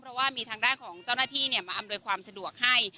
เพราะว่ามีทางด้านของเจ้าหน้าที่มาอำนวยความสะดวกให้